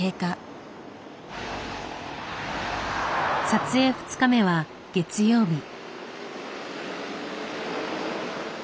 撮影２日目は月曜日。